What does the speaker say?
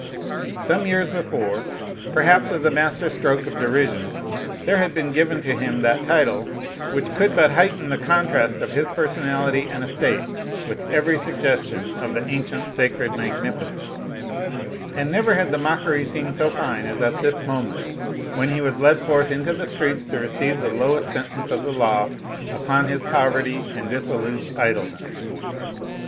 Some years before, perhaps as a master stroke of derision, there had been given to him that title which could but heighten the contrast of his personality and estate with every suggestion of the ancient sacred magnificence; and never had the mockery seemed so fine as at this moment, when he was led forth into the streets to receive the lowest sentence of the law upon his poverty and dissolute idleness.